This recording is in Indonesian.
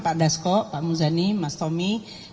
pak dasko pak muzani mas tommy